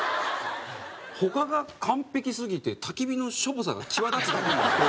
他が完璧すぎて焚き火のしょぼさが際立つ。